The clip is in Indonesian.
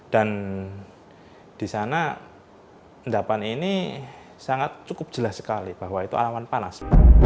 dan di sana endapan ini cukup jelas sekali bahwa itu awan panas